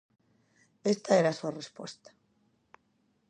Esta era a súa resposta.